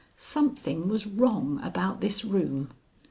Something was wrong about this room.